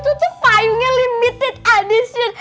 itu tuh payungnya limited edition